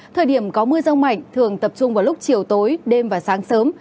thời điểm có mưa rông mạnh thường tập trung vào lúc chiều tối đêm và sáng sớm